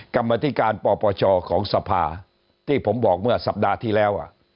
กรรมธิการปปชของสภาที่ผมบอกเมื่อสัปดาห์ที่แล้ว